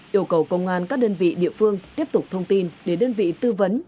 yêu cầu công an các đơn vị địa phương tiếp tục thông tin để đơn vị tư vấn